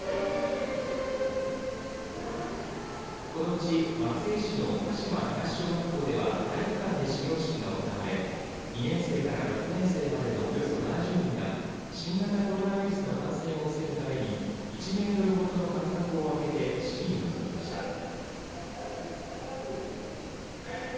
このうち、松江市の鹿島東小学校では体育館で始業式が行われ２年生から６年生までのおよそ７０人が新型コロナウイルスの感染を防ぐために１メートルほどの間隔を空けて式に臨みました。